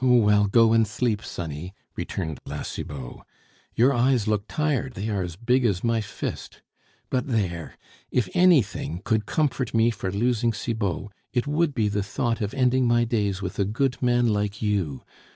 "Oh, well go and sleep, sonny!" returned La Cibot. "Your eyes look tired, they are as big as my fist. But there! if anything could comfort me for losing Cibot, it would be the thought of ending my days with a good man like you.